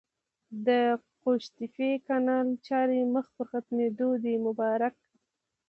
د قوشتېپې کانال چارې مخ پر ختمېدو دي! مبارک